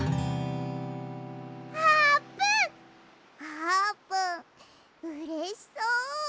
あーぷんうれしそう！